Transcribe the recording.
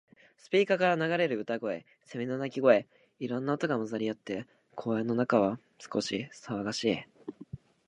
スピーカーから流れる歌声、セミの鳴き声。いろんな音が混ざり合って、公園の中は少し騒がしい。